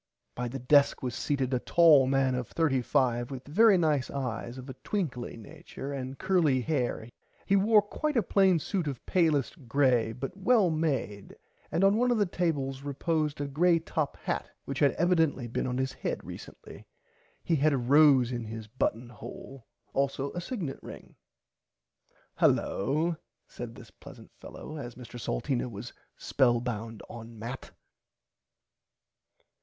By the desk was seated a tall man of 35 with very nice eyes of a twinkly nature and curly hair he wore a quite plain suit of palest grey but well [Pg 53] made and on the table reposed a grey top hat which had evidently been on his head recently. He had a rose in his button hole also a signet ring. Hullo said this pleasant fellow as Mr. Salteena was spell bound on mat.